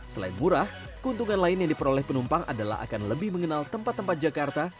selain murah keuntungan lain yang diperoleh penumpang adalah akan lebih mengenal tempat tempat jakarta